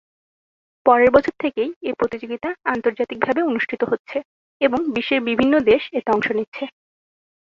পরের বছর থেকেই এ প্রতিযোগিতা আন্তর্জাতিক ভাবে অনুষ্ঠিত হচ্ছে এবং বিশ্বের বিভিন্ন দেশ এতে অংশ নিচ্ছে।